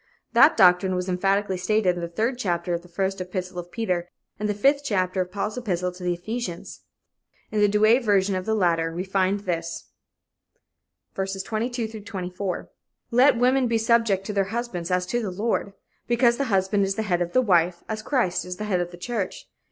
That doctrine was emphatically stated in the Third Chapter of the First Epistle of Peter and the Fifth Chapter of Paul's Epistle to the Ephesians. In the Douay version of the latter, we find this: "22 Let women be subject to their husbands as to the Lord. "23 Because the husband is the head of the wife; as Christ is the head of the Church.